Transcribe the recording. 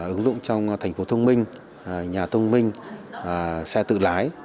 ứng dụng trong thành phố thông minh nhà thông minh xe tự lái